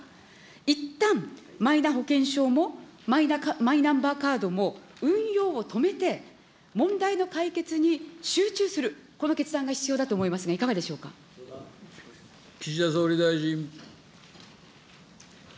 いったんマイナ保険証も、マイナンバーカードも運用を止めて、問題の解決に集中する、この決断が必要だと思いますが、いかがでし岸田総理大臣。